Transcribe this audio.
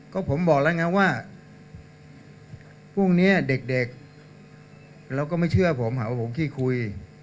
ก็ผมบอกแล้วไงว่าพรุ่งนี้เด็กเราก็ไม่เชื่อผมหาว่าผมขี้คุย